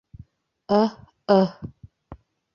— Ыһ-ыһ!...